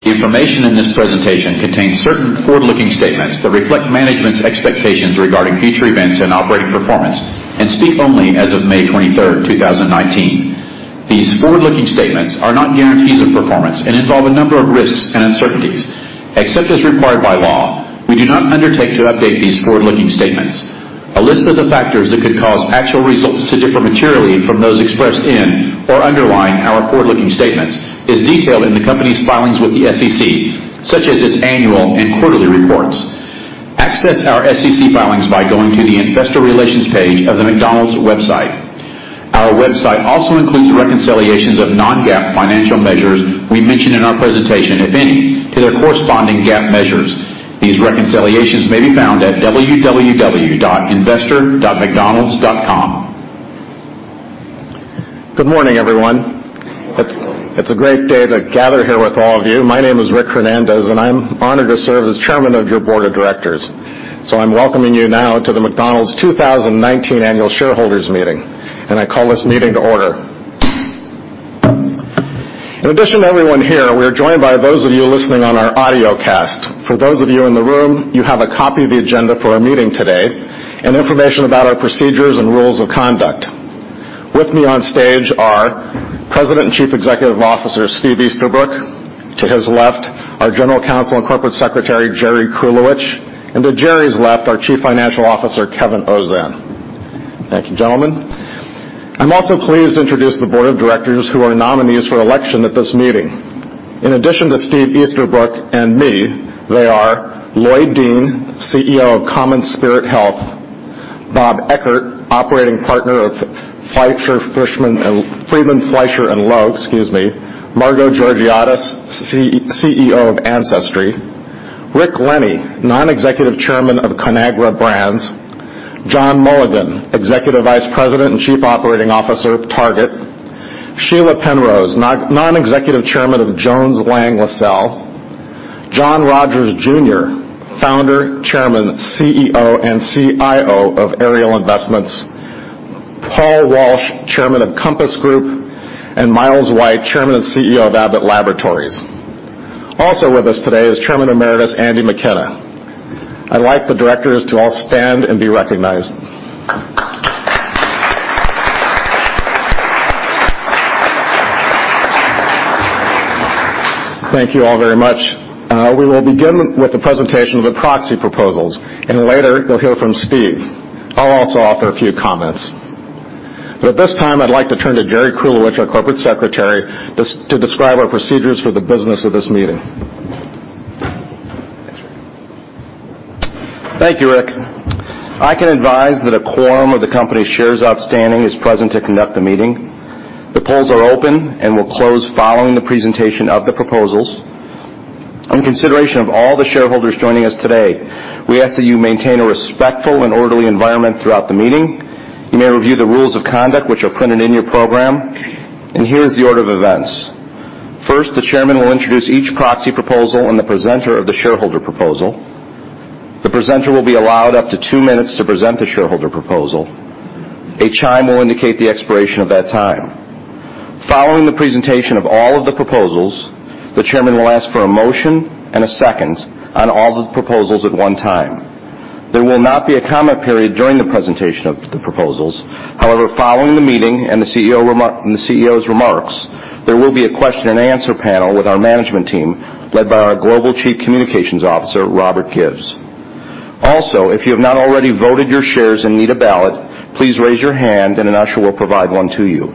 The information in this presentation contains certain forward-looking statements that reflect management's expectations regarding future events and operating performance and speak only as of May 23rd, 2019. These forward-looking statements are not guarantees of performance and involve a number of risks and uncertainties. Except as required by law, we do not undertake to update these forward-looking statements. A list of the factors that could cause actual results to differ materially from those expressed in or underlying our forward-looking statements is detailed in the company's filings with the SEC, such as its annual and quarterly reports. Access our SEC filings by going to the investor relations page of the McDonald's website. Our website also includes reconciliations of non-GAAP financial measures we mention in our presentation, if any, to their corresponding GAAP measures. These reconciliations may be found at www.investor.mcdonalds.com. Good morning, everyone. Good morning. It's a great day to gather here with all of you. My name is Rick Hernandez, and I'm honored to serve as Chairman of your Board of Directors. I'm welcoming you now to the McDonald's 2019 Annual Shareholders Meeting. I call this meeting to order. In addition to everyone here, we're joined by those of you listening on our audiocast. For those of you in the room, you have a copy of the agenda for our meeting today and information about our procedures and rules of conduct. With me on stage are President and Chief Executive Officer, Steve Easterbrook. To his left, our General Counsel and Corporate Secretary, Jerry Krulewitch. To Jerry's left, our Chief Financial Officer, Kevin Ozan. Thank you, gentlemen. I'm also pleased to introduce the Board of Directors who are nominees for election at this meeting. In addition to Steve Easterbrook and me, they are Lloyd Dean, CEO of CommonSpirit Health. Bob Eckert, Operating Partner of Friedman, Fleischer & Lowe. Margo Georgiadis, CEO of Ancestry. Rick Lenny, Non-Executive Chairman of Conagra Brands. John Mulligan, Executive Vice President and Chief Operating Officer of Target. Sheila Penrose, Non-Executive Chairman of Jones Lang LaSalle. John Rogers Jr., Founder, Chairman, CEO, and CIO of Ariel Investments. Paul Walsh, Chairman of Compass Group. Miles White, Chairman and CEO of Abbott Laboratories. Also with us today is Chairman Emeritus, Andy McKenna. I'd like the directors to all stand and be recognized. Thank you all very much. We will begin with the presentation of the proxy proposals, and later you'll hear from Steve. I'll also offer a few comments. At this time, I'd like to turn to Jerry Krulewitch, our Corporate Secretary, to describe our procedures for the business of this meeting. Thanks, Rick. Thank you, Rick. I can advise that a quorum of the company's shares outstanding is present to conduct the meeting. The polls are open and will close following the presentation of the proposals. On consideration of all the shareholders joining us today, we ask that you maintain a respectful and orderly environment throughout the meeting. You may review the rules of conduct, which are printed in your program. Here is the order of events. First, the chairman will introduce each proxy proposal and the presenter of the shareholder proposal. The presenter will be allowed up to two minutes to present the shareholder proposal. A chime will indicate the expiration of that time. Following the presentation of all of the proposals, the chairman will ask for a motion and a second on all the proposals at one time. There will not be a comment period during the presentation of the proposals. However, following the meeting and the CEO's remarks, there will be a question and answer panel with our management team, led by our Global Chief Communications Officer, Robert Gibbs. Also, if you have not already voted your shares and need a ballot, please raise your hand and an usher will provide one to you.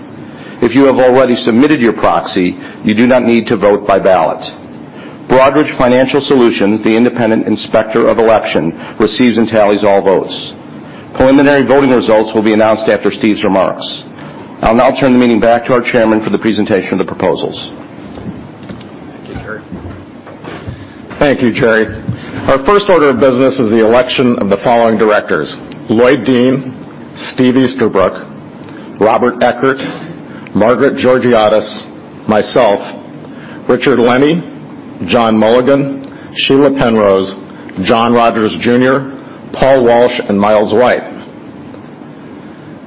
If you have already submitted your proxy, you do not need to vote by ballot. Broadridge Financial Solutions, the independent inspector of election, receives and tallies all votes. Preliminary voting results will be announced after Steve's remarks. I'll now turn the meeting back to our chairman for the presentation of the proposals. Thank you, Jerry. Thank you, Jerry. Our first order of business is the election of the following directors: Lloyd Dean, Steve Easterbrook, Robert Eckert, Margaret Georgiadis, myself, Richard Lenny, John Mulligan, Sheila Penrose, John Rogers Jr., Paul Walsh, and Miles White.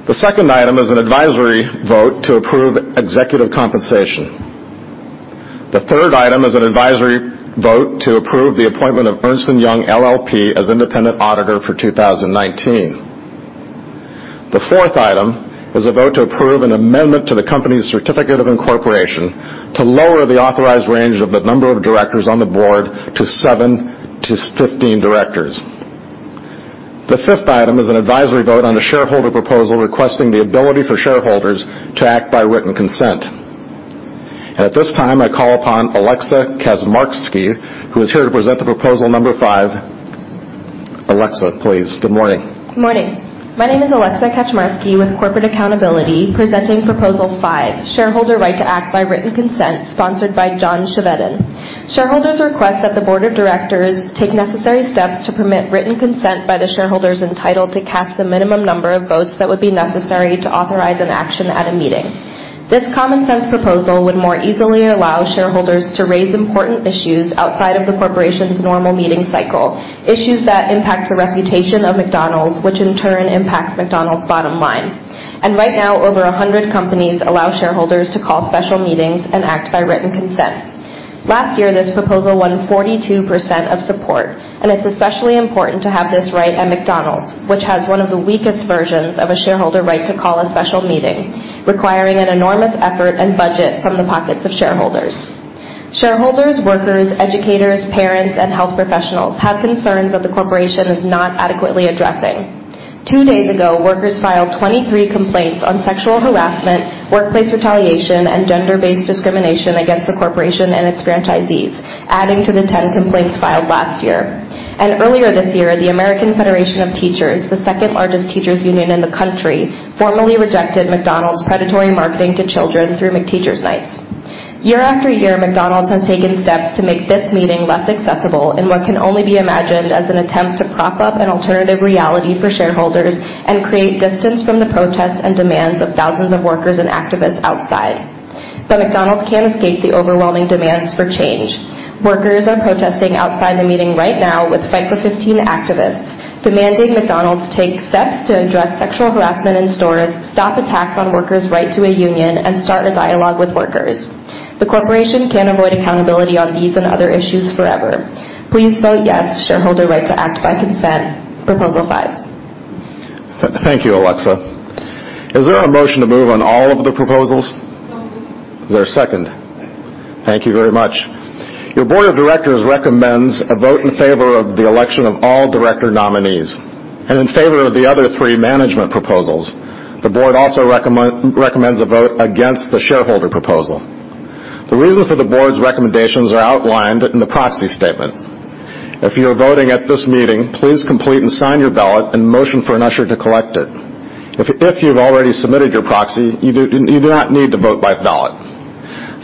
The second item is an advisory vote to approve executive compensation. The third item is an advisory vote to approve the appointment of Ernst & Young LLP as independent auditor for 2019. The fourth item is a vote to approve an amendment to the company's certificate of incorporation to lower the authorized range of the number of directors on the board to 7 to 15 directors. The fifth item is an advisory vote on the shareholder proposal requesting the ability for shareholders to act by written consent. At this time, I call upon Alexa Kaczmarski, who is here to present the proposal number five. Alexa, please. Good morning. Good morning. My name is Alexa Kaczmarski with Corporate Accountability, presenting Proposal five, Shareholder Right to Act by Written Consent, sponsored by John Chevedden. Shareholders request that the board of directors take necessary steps to permit written consent by the shareholders entitled to cast the minimum number of votes that would be necessary to authorize an action at a meeting. This common sense proposal would more easily allow shareholders to raise important issues outside of the corporation's normal meeting cycle, issues that impact the reputation of McDonald's, which in turn impacts McDonald's bottom line. Right now, over 100 companies allow shareholders to call special meetings and act by written consent. Last year, this proposal won 42% of support, and it's especially important to have this right at McDonald's, which has one of the weakest versions of a shareholder right to call a special meeting, requiring an enormous effort and budget from the pockets of shareholders. Shareholders, workers, educators, parents, and health professionals have concerns that the corporation is not adequately addressing. Two days ago, workers filed 23 complaints on sexual harassment, workplace retaliation, and gender-based discrimination against the corporation and its franchisees, adding to the 10 complaints filed last year. Earlier this year, the American Federation of Teachers, the second largest teachers union in the country, formally rejected McDonald's predatory marketing to children through McTeacher's Night. Year after year, McDonald's has taken steps to make this meeting less accessible in what can only be imagined as an attempt to prop up an alternative reality for shareholders and create distance from the protests and demands of thousands of workers and activists outside. McDonald's can't escape the overwhelming demands for change. Workers are protesting outside the meeting right now with Fight for $15 activists, demanding McDonald's take steps to address sexual harassment in stores, stop attacks on workers' right to a union, and start a dialogue with workers. The corporation can't avoid accountability on these and other issues forever. Please vote yes, shareholder right to act by consent, Proposal five. Thank you, Alexa. Is there a motion to move on all of the proposals? Moved. Is there a second? Second. Thank you very much. Your board of directors recommends a vote in favor of the election of all director nominees and in favor of the other three management proposals. The board also recommends a vote against the shareholder proposal. The reason for the board's recommendations are outlined in the proxy statement. If you are voting at this meeting, please complete and sign your ballot and motion for an usher to collect it. If you've already submitted your proxy, you do not need to vote by ballot.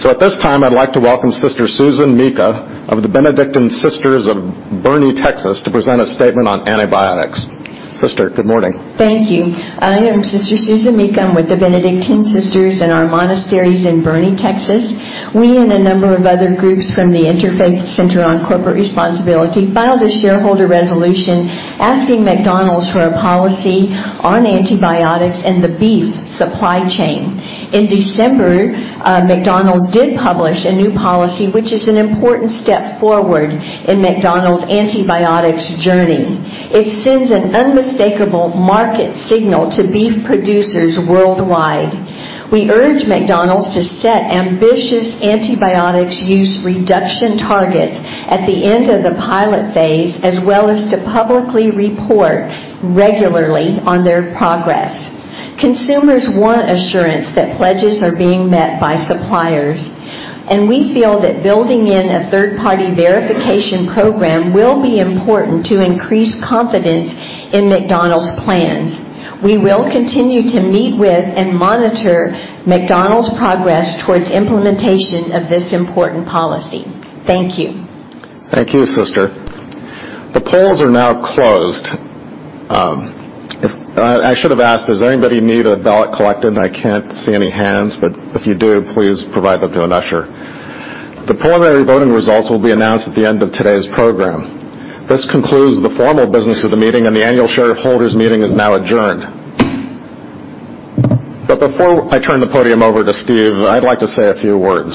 At this time, I'd like to welcome Sister Susan Mika of the Benedictine Sisters of Boerne, Texas, to present a statement on antibiotics. Sister, good morning. Thank you. I am Sister Susan Mika. I'm with the Benedictine Sisters and our monastery is in Boerne, Texas. We and a number of other groups from the Interfaith Center on Corporate Responsibility filed a shareholder resolution asking McDonald's for a policy on antibiotics and the beef supply chain. In December, McDonald's did publish a new policy, which is an important step forward in McDonald's antibiotics journey. It sends an unmistakable market signal to beef producers worldwide. We urge McDonald's to set ambitious antibiotics use reduction targets at the end of the pilot phase, as well as to publicly report regularly on their progress. Consumers want assurance that pledges are being met by suppliers, and we feel that building in a third-party verification program will be important to increase confidence in McDonald's plans. We will continue to meet with and monitor McDonald's progress towards implementation of this important policy. Thank you. Thank you, Sister. The polls are now closed. I should have asked, does anybody need a ballot collected? I can't see any hands, but if you do, please provide that to an usher. The preliminary voting results will be announced at the end of today's program. This concludes the formal business of the meeting, and the annual shareholders meeting is now adjourned. Before I turn the podium over to Steve, I'd like to say a few words.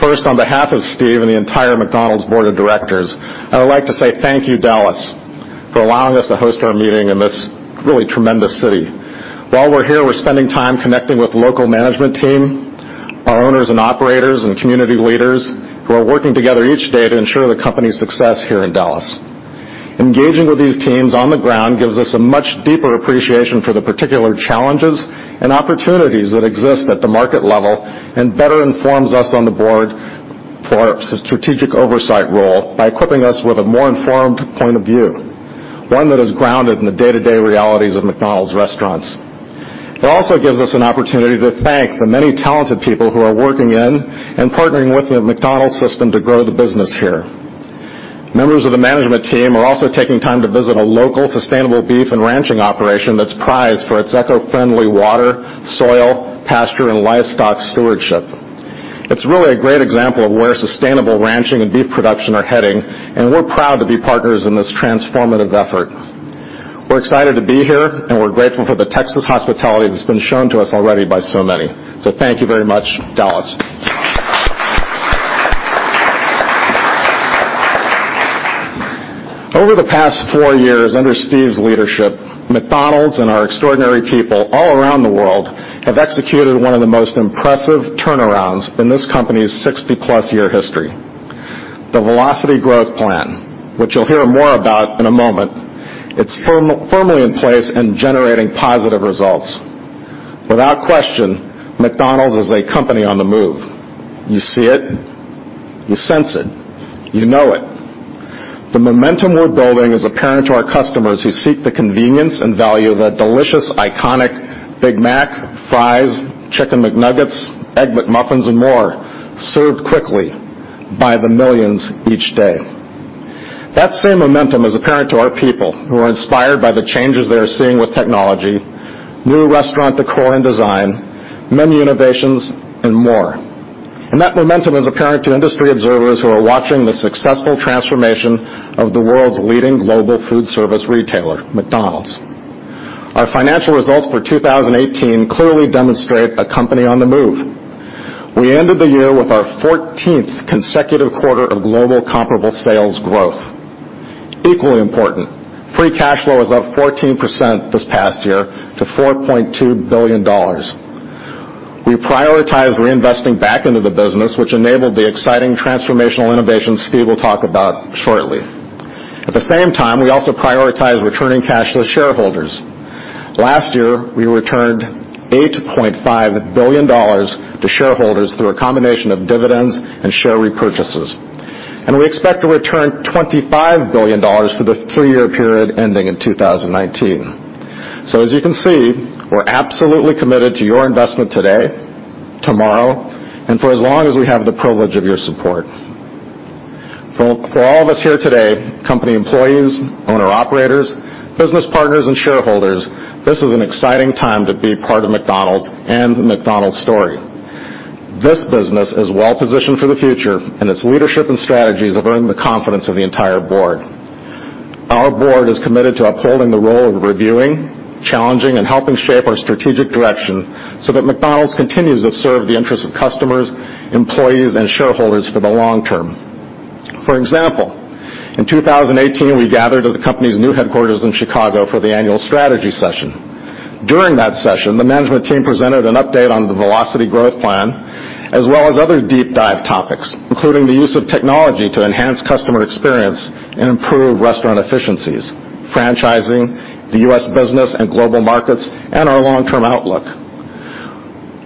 First, on behalf of Steve and the entire McDonald's board of directors, I would like to say thank you, Dallas, for allowing us to host our meeting in this really tremendous city. While we're here, we're spending time connecting with local management team, our owners and operators and community leaders who are working together each day to ensure the company's success here in Dallas. Engaging with these teams on the ground gives us a much deeper appreciation for the particular challenges and opportunities that exist at the market level and better informs us on the board for a strategic oversight role by equipping us with a more informed point of view, one that is grounded in the day-to-day realities of McDonald's restaurants. It also gives us an opportunity to thank the many talented people who are working in and partnering with the McDonald's system to grow the business here. Members of the management team are also taking time to visit a local sustainable beef and ranching operation that's prized for its eco-friendly water, soil, pasture, and livestock stewardship. It's really a great example of where sustainable ranching and beef production are heading, and we're proud to be partners in this transformative effort. We're excited to be here, and we're grateful for the Texas hospitality that's been shown to us already by so many. Thank you very much, Dallas. Over the past four years under Steve's leadership, McDonald's and our extraordinary people all around the world have executed one of the most impressive turnarounds in this company's 60-plus year history. The Velocity Growth Plan, which you'll hear more about in a moment, it's firmly in place and generating positive results. Without question, McDonald's is a company on the move. You see it, you sense it, you know it. The momentum we're building is apparent to our customers who seek the convenience and value of a delicious, iconic Big Mac, fries, Chicken McNuggets, Egg McMuffin, and more, served quickly by the millions each day. That same momentum is apparent to our people who are inspired by the changes they are seeing with technology, new restaurant décor and design, menu innovations, and more. That momentum is apparent to industry observers who are watching the successful transformation of the world's leading global food service retailer, McDonald's. Our financial results for 2018 clearly demonstrate a company on the move. We ended the year with our 14th consecutive quarter of global comparable sales growth. Equally important, free cash flow is up 14% this past year to $4.2 billion. We prioritized reinvesting back into the business, which enabled the exciting transformational innovations Steve will talk about shortly. At the same time, we also prioritized returning cash to the shareholders. Last year, we returned $8.5 billion to shareholders through a combination of dividends and share repurchases. We expect to return $25 billion for the three-year period ending in 2019. As you can see, we're absolutely committed to your investment today, tomorrow, and for as long as we have the privilege of your support. For all of us here today, company employees, owner-operators, business partners, and shareholders, this is an exciting time to be part of McDonald's and the McDonald's story. This business is well-positioned for the future, and its leadership and strategies have earned the confidence of the entire board. Our board is committed to upholding the role of reviewing, challenging, and helping shape our strategic direction so that McDonald's continues to serve the interests of customers, employees, and shareholders for the long term. For example, in 2018, we gathered at the company's new headquarters in Chicago for the annual strategy session. During that session, the management team presented an update on the Velocity Growth Plan, as well as other deep dive topics, including the use of technology to enhance customer experience and improve restaurant efficiencies, franchising, the U.S. business and global markets, and our long-term outlook.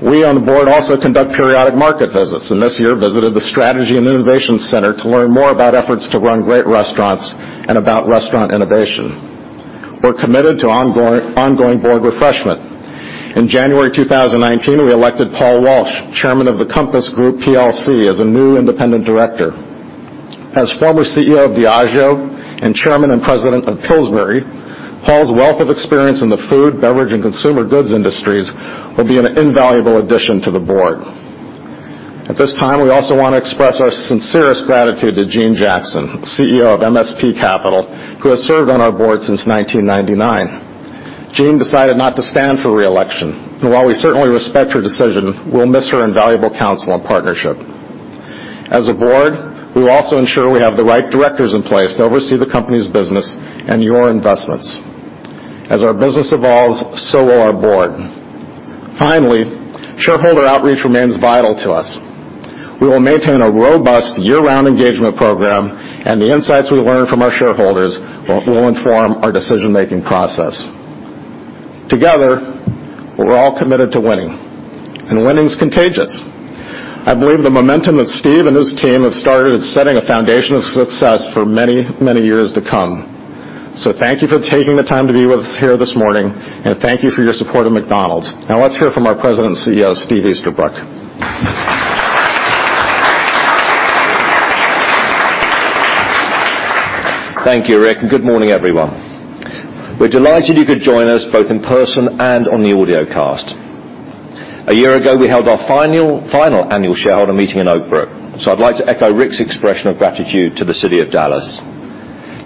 We on the board also conduct periodic market visits, and this year visited the Strategy and Innovation Center to learn more about efforts to run great restaurants and about restaurant innovation. We're committed to ongoing board refreshment. In January 2019, we elected Paul Walsh, Chairman of the Compass Group PLC, as a new independent director. As former CEO of Diageo and Chairman and President of Pillsbury, Paul's wealth of experience in the food, beverage, and consumer goods industries will be an invaluable addition to the board. At this time, we also want to express our sincerest gratitude to Jeanne Jackson, CEO of MSP Capital, who has served on our board since 1999. Jeanne decided not to stand for re-election, and while we certainly respect her decision, we'll miss her invaluable counsel and partnership. As a board, we will also ensure we have the right directors in place to oversee the company's business and your investments. As our business evolves, so will our board. Shareholder outreach remains vital to us. We will maintain a robust year-round engagement program, and the insights we learn from our shareholders will inform our decision-making process. Together, we're all committed to winning, and winning is contagious. I believe the momentum that Steve and his team have started is setting a foundation of success for many, many years to come. Thank you for taking the time to be with us here this morning, and thank you for your support of McDonald's. Let's hear from our President and CEO, Steve Easterbrook. Thank you, Rick, good morning, everyone. We're delighted you could join us both in person and on the audio cast. A year ago, we held our final annual shareholder meeting in Oak Brook, I'd like to echo Rick's expression of gratitude to the city of Dallas.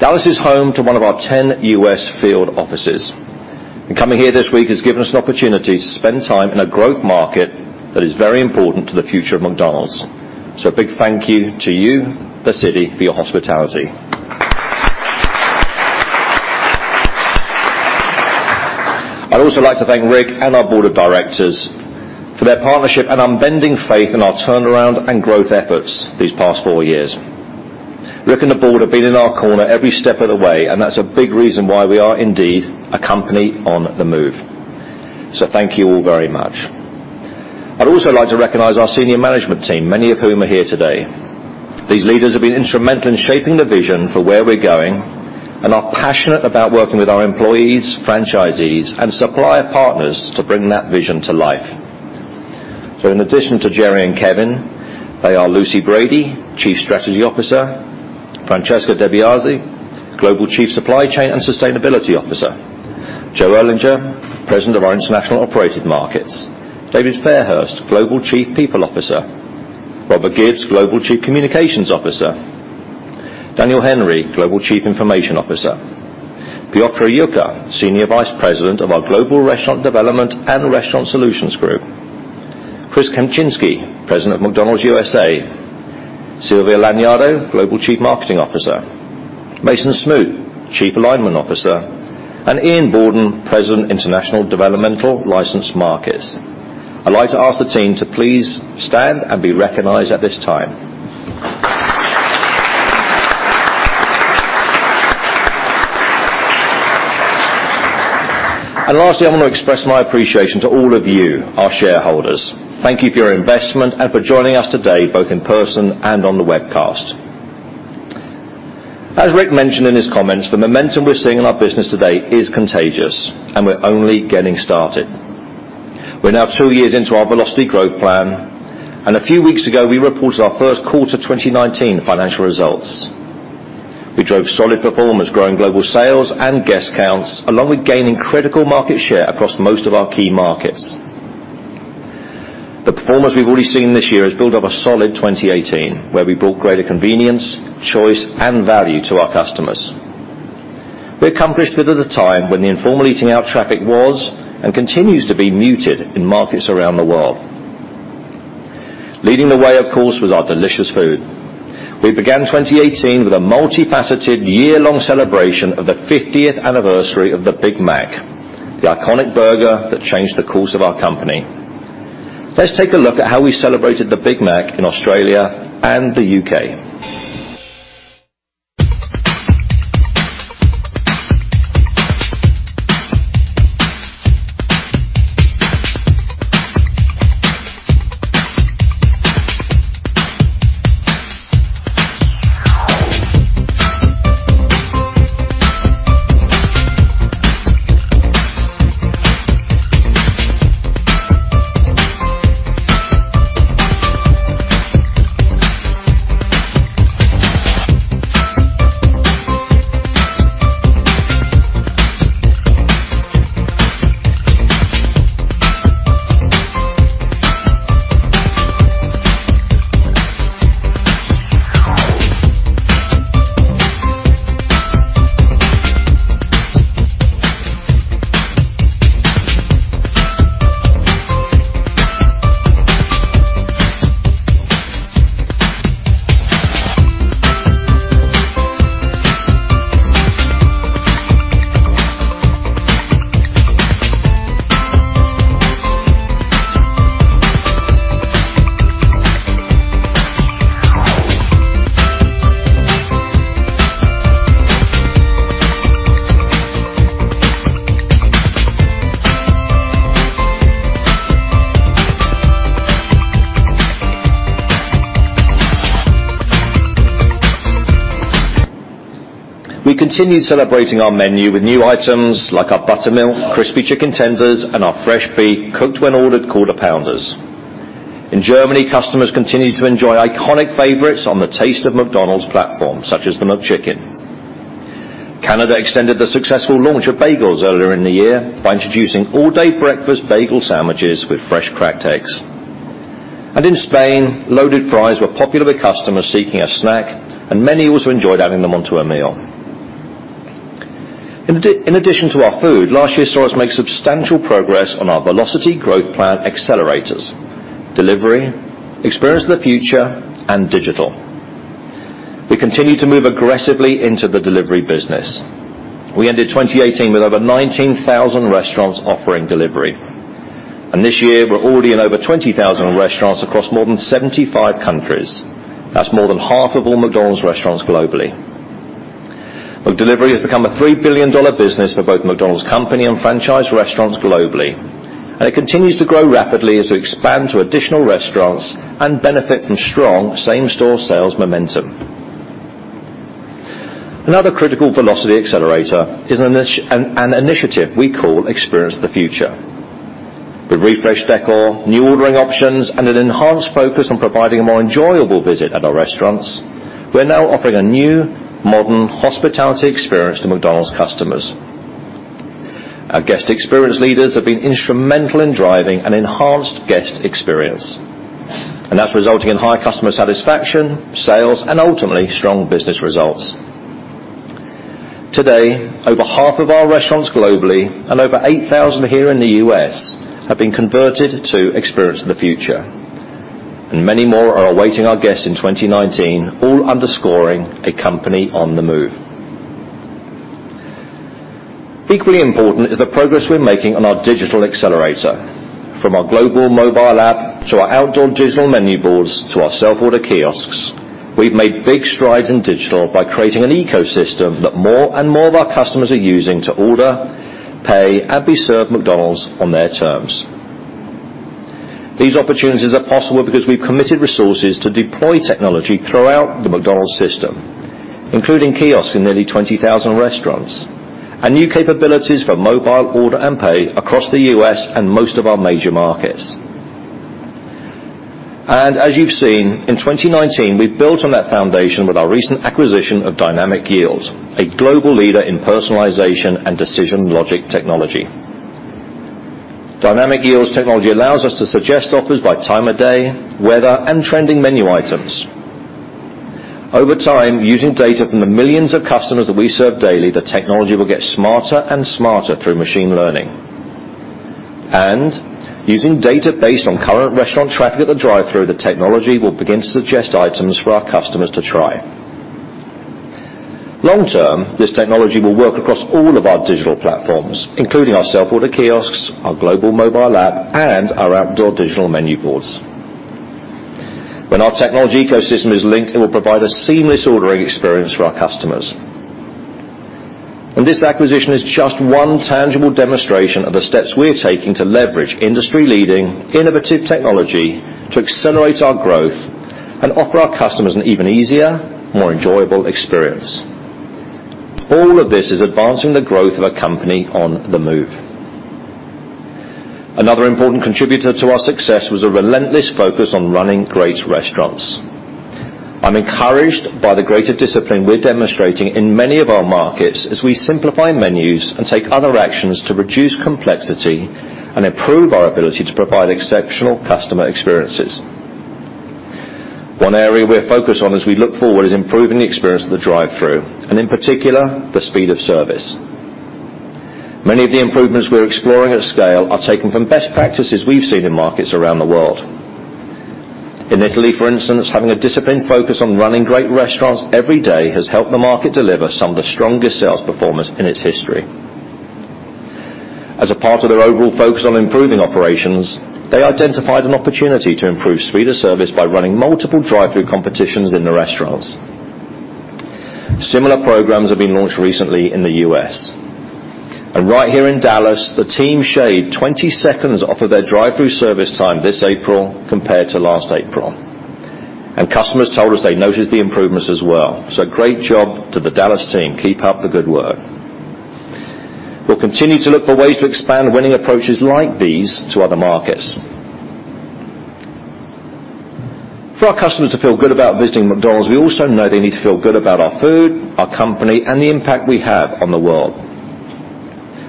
Dallas is home to one of our 10 U.S. field offices, and coming here this week has given us an opportunity to spend time in a growth market that is very important to the future of McDonald's. A big thank you to you, the city, for your hospitality. I'd also like to thank Rick and our board of directors for their partnership and unbending faith in our turnaround and growth efforts these past four years. Rick and the board have been in our corner every step of the way, that's a big reason why we are indeed a company on the move. Thank you all very much. I'd also like to recognize our senior management team, many of whom are here today. These leaders have been instrumental in shaping the vision for where we're going and are passionate about working with our employees, franchisees, and supplier partners to bring that vision to life. In addition to Jerry and Kevin, they are Lucy Brady, Chief Strategy Officer. Francesca DeBiase, Global Chief Supply Chain and Sustainability Officer. Joe Erlinger, President of our International Operated Markets. David Fairhurst, Global Chief People Officer. Robert Gibbs, Global Chief Communications Officer. Daniel Henry, Global Chief Information Officer. Piotr Jucha, Senior Vice President of our Global Restaurant Development and Restaurant Solutions Group. Chris Kempczinski, President of McDonald's USA. Silvia Lagnado, Global Chief Marketing Officer. Mason Smoot, Chief Alignment Officer, and Ian Borden, President, International Developmental Licensed Markets. I'd like to ask the team to please stand and be recognized at this time. Lastly, I want to express my appreciation to all of you, our shareholders. Thank you for your investment and for joining us today, both in person and on the webcast. As Rick mentioned in his comments, the momentum we're seeing in our business today is contagious, and we're only getting started. We're now two years into our Velocity Growth Plan, and a few weeks ago, we reported our first quarter 2019 financial results. We drove solid performance, growing global sales and guest counts, along with gaining critical market share across most of our key markets. The performance we've already seen this year has built up a solid 2018, where we brought greater convenience, choice, and value to our customers. We accomplished it at a time when the informal eating out traffic was, and continues to be muted in markets around the world. Leading the way, of course, was our delicious food. We began 2018 with a multifaceted year-long celebration of the 50th anniversary of the Big Mac, the iconic burger that changed the course of our company. Let's take a look at how we celebrated the Big Mac in Australia and the U.K. We continued celebrating our menu with new items like our Buttermilk Crispy Tenders and our fresh beef cooked-when-ordered Quarter Pounders. In Germany, customers continued to enjoy iconic favorites on the Taste of McDonald's platform, such as the McChicken. Canada extended the successful launch of bagels earlier in the year by introducing all-day breakfast bagel sandwiches with fresh cracked eggs. In Spain, loaded fries were popular with customers seeking a snack, and many also enjoyed adding them onto a meal. In addition to our food, last year saw us make substantial progress on our Velocity Growth Plan accelerators: delivery, Experience of the Future, and digital. We continue to move aggressively into the delivery business. We ended 2018 with over 19,000 restaurants offering delivery. This year, we're already in over 20,000 restaurants across more than 75 countries. That's more than half of all McDonald's restaurants globally. McDelivery has become a $3 billion business for both McDonald's company and franchise restaurants globally, and it continues to grow rapidly as we expand to additional restaurants and benefit from strong same-store sales momentum. Another critical Velocity accelerator is an initiative we call Experience of the Future. With refreshed decor, new ordering options, and an enhanced focus on providing a more enjoyable visit at our restaurants, we're now offering a new, modern hospitality experience to McDonald's customers. Our guest experience leaders have been instrumental in driving an enhanced guest experience, and that's resulting in high customer satisfaction, sales, and ultimately, strong business results. Today, over half of our restaurants globally and over 8,000 here in the U.S. have been converted to Experience of the Future, and many more are awaiting our guests in 2019, all underscoring a company on the move. Equally important is the progress we're making on our digital accelerator. From our global mobile app to our outdoor digital menu boards to our self-order kiosks, we've made big strides in digital by creating an ecosystem that more and more of our customers are using to order, pay, and be served McDonald's on their terms. These opportunities are possible because we've committed resources to deploy technology throughout the McDonald's system, including kiosks in nearly 20,000 restaurants and new capabilities for mobile order and pay across the U.S. and most of our major markets. As you've seen, in 2019, we've built on that foundation with our recent acquisition of Dynamic Yield, a global leader in personalization and decision logic technology. Dynamic Yield's technology allows us to suggest offers by time of day, weather, and trending menu items. Over time, using data from the millions of customers that we serve daily, the technology will get smarter and smarter through machine learning. Using data based on current restaurant traffic at the drive-through, the technology will begin to suggest items for our customers to try. Long term, this technology will work across all of our digital platforms, including our self-order kiosks, our global mobile app, and our outdoor digital menu boards. When our technology ecosystem is linked, it will provide a seamless ordering experience for our customers. This acquisition is just one tangible demonstration of the steps we're taking to leverage industry-leading, innovative technology to accelerate our growth and offer our customers an even easier, more enjoyable experience. All of this is advancing the growth of a company on the move. Another important contributor to our success was a relentless focus on running great restaurants. I'm encouraged by the greater discipline we're demonstrating in many of our markets as we simplify menus and take other actions to reduce complexity and improve our ability to provide exceptional customer experiences. One area we're focused on as we look forward is improving the experience of the drive-thru and, in particular, the speed of service. Many of the improvements we're exploring at scale are taken from best practices we've seen in markets around the world. In Italy, for instance, having a disciplined focus on running great restaurants every day has helped the market deliver some of the strongest sales performance in its history. As a part of their overall focus on improving operations, they identified an opportunity to improve speed of service by running multiple drive-thru competitions in the restaurants. Similar programs have been launched recently in the U.S. Right here in Dallas, the team shaved 20 seconds off of their drive-thru service time this April compared to last April. Customers told us they noticed the improvements as well. Great job to the Dallas team. Keep up the good work. We'll continue to look for ways to expand winning approaches like these to other markets. For our customers to feel good about visiting McDonald's, we also know they need to feel good about our food, our company, and the impact we have on the world.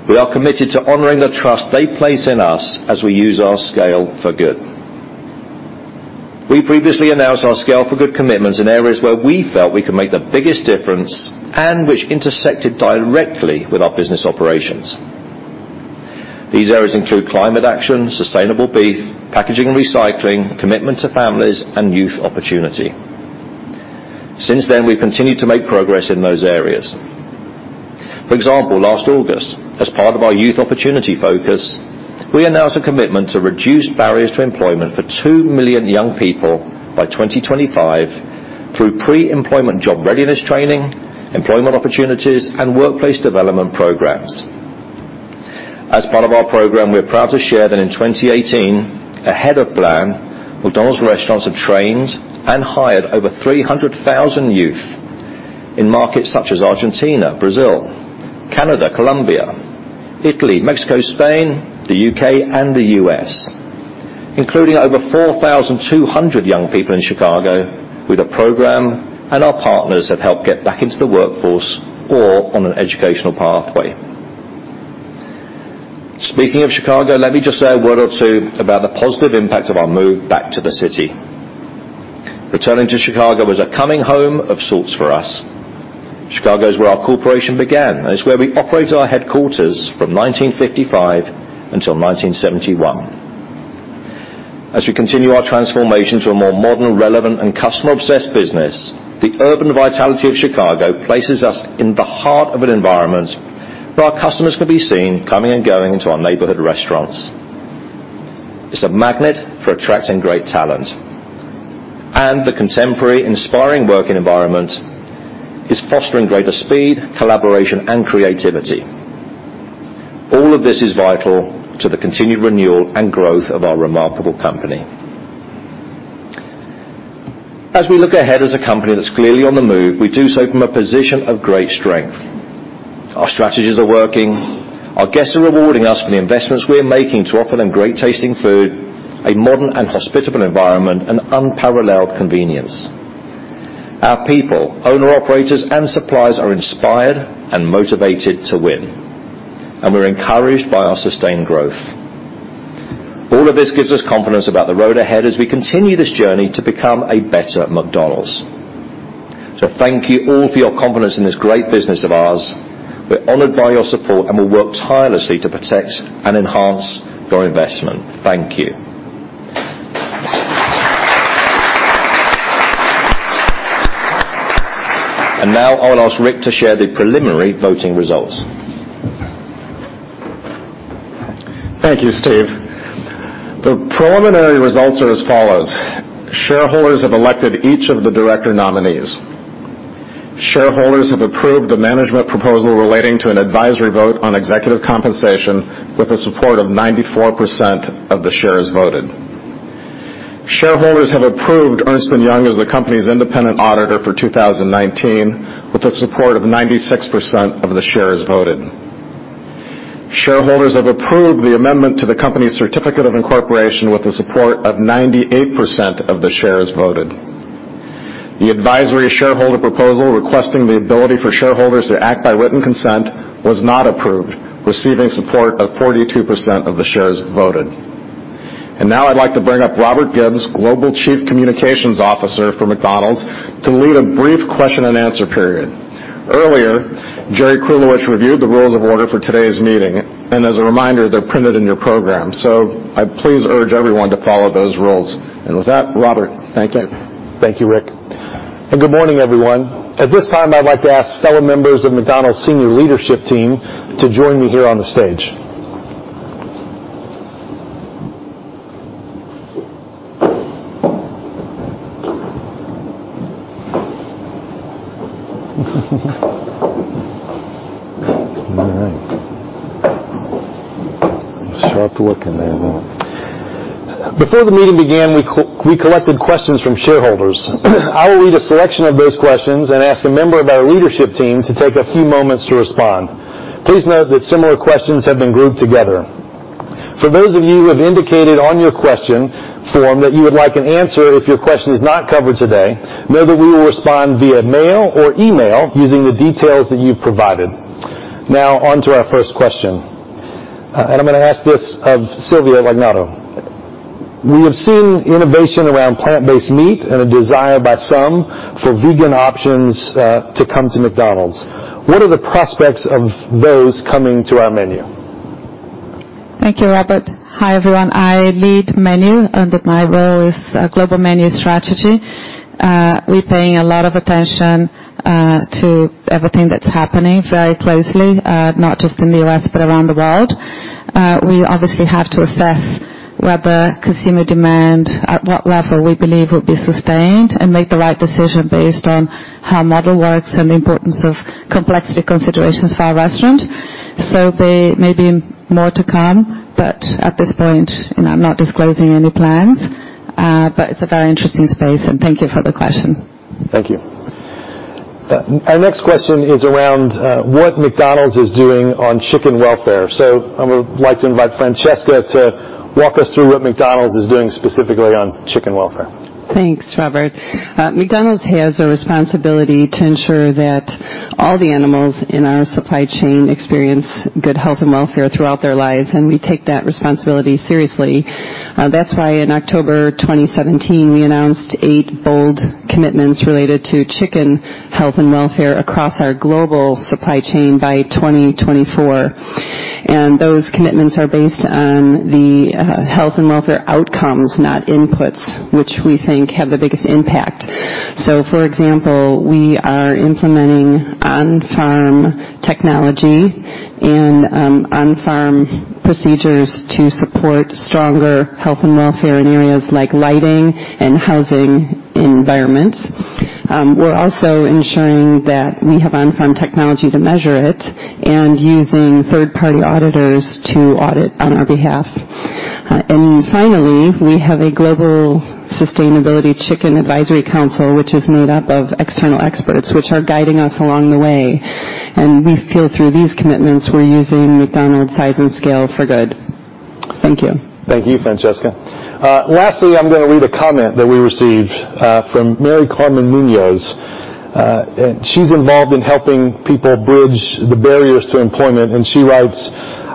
We are committed to honoring the trust they place in us as we use our Scale for Good. We previously announced our Scale for Good commitments in areas where we felt we could make the biggest difference and which intersected directly with our business operations. These areas include climate action, sustainable beef, packaging and recycling, commitment to families, and youth opportunity. Since then, we've continued to make progress in those areas. For example, last August, as part of our youth opportunity focus, we announced a commitment to reduce barriers to employment for 2 million young people by 2025 through pre-employment job readiness training, employment opportunities, and workplace development programs. As part of our program, we're proud to share that in 2018, ahead of plan, McDonald's restaurants have trained and hired over 300,000 youth in markets such as Argentina, Brazil, Canada, Colombia, Italy, Mexico, Spain, the U.K., and the U.S., including over 4,200 young people in Chicago with a program and our partners have helped get back into the workforce or on an educational pathway. Speaking of Chicago, let me just say a word or two about the positive impact of our move back to the city. Returning to Chicago was a coming home of sorts for us. Chicago is where our corporation began, and it's where we operated our headquarters from 1955 until 1971. As we continue our transformation to a more modern, relevant, and customer-obsessed business, the urban vitality of Chicago places us in the heart of an environment where our customers can be seen coming and going into our neighborhood restaurants. It's a magnet for attracting great talent, and the contemporary inspiring working environment is fostering greater speed, collaboration, and creativity. All of this is vital to the continued renewal and growth of our remarkable company. As we look ahead as a company that's clearly on the move, we do so from a position of great strength. Our strategies are working. Our guests are rewarding us for the investments we are making to offer them great-tasting food, a modern and hospitable environment, and unparalleled convenience. Our people, owner-operators, and suppliers are inspired and motivated to win, and we're encouraged by our sustained growth. All of this gives us confidence about the road ahead as we continue this journey to become a better McDonald's. Thank you all for your confidence in this great business of ours. We're honored by your support and will work tirelessly to protect and enhance your investment. Thank you. Now I'll ask Rick to share the preliminary voting results. Thank you, Steve. The preliminary results are as follows. Shareholders have elected each of the director nominees. Shareholders have approved the management proposal relating to an advisory vote on executive compensation with the support of 94% of the shares voted. Shareholders have approved Ernst & Young as the company's independent auditor for 2019 with the support of 96% of the shares voted. Shareholders have approved the amendment to the company's certificate of incorporation with the support of 98% of the shares voted. The advisory shareholder proposal requesting the ability for shareholders to act by written consent was not approved, receiving support of 42% of the shares voted. Now I'd like to bring up Robert Gibbs, Global Chief Communications Officer for McDonald's, to lead a brief question and answer period. Earlier, Jerry Krulewitch reviewed the rules of order for today's meeting, and as a reminder, they're printed in your program. I please urge everyone to follow those rules. With that, Robert. Thank you. Thank you. Thank you, Rick. Good morning, everyone. At this time, I'd like to ask fellow members of McDonald's senior leadership team to join me here on the stage. All right. Sharp-looking there. Before the meeting began, we collected questions from shareholders. I will read a selection of those questions and ask a member of our leadership team to take a few moments to respond. Please note that similar questions have been grouped together. For those of you who have indicated on your question form that you would like an answer, if your question is not covered today, know that we will respond via mail or email using the details that you provided. Now, onto our first question. I'm going to ask this of Silvia Lagnado. We have seen innovation around plant-based meat and a desire by some for vegan options to come to McDonald's. What are the prospects of those coming to our menu? Thank you, Robert. Hi, everyone. I lead menu, and my role is global menu strategy. We're paying a lot of attention to everything that's happening very closely, not just in the U.S. but around the world. We obviously have to assess whether consumer demand, at what level we believe will be sustained, and make the right decision based on how model works and the importance of complexity considerations for our restaurant. There may be more to come, but at this point, I'm not disclosing any plans. It's a very interesting space, and thank you for the question. Thank you. Our next question is around what McDonald's is doing on chicken welfare. I would like to invite Francesca to walk us through what McDonald's is doing specifically on chicken welfare. Thanks, Robert. McDonald's has a responsibility to ensure that all the animals in our supply chain experience good health and welfare throughout their lives, and we take that responsibility seriously. That's why in October 2017, we announced eight bold commitments related to chicken health and welfare across our global supply chain by 2024. Those commitments are based on the health and welfare outcomes, not inputs, which we think have the biggest impact. For example, we are implementing on-farm technology and on-farm procedures to support stronger health and welfare in areas like lighting and housing environments. We're also ensuring that we have on-farm technology to measure it and using third-party auditors to audit on our behalf. Finally, we have a global sustainability chicken advisory council, which is made up of external experts, which are guiding us along the way. We feel through these commitments, we're using McDonald's size and Scale for Good. Thank you. Thank you, Francesca. Lastly, I'm going to read a comment that we received from Mary Carmen Munoz. She's involved in helping people bridge the barriers to employment, she writes,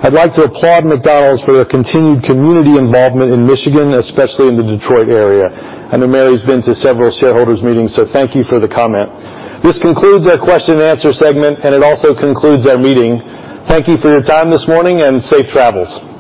"I'd like to applaud McDonald's for their continued community involvement in Michigan, especially in the Detroit area." I know Mary's been to several shareholders meetings, so thank you for the comment. This concludes our question and answer segment, it also concludes our meeting. Thank you for your time this morning, safe travels.